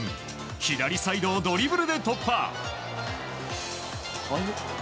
左サイドをドリブルで突破。